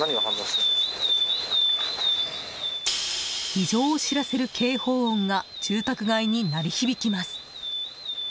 異常を知らせる警報音が住宅街に鳴り響きます。